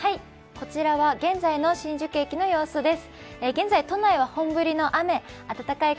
こちらは現在の新宿駅の様子です。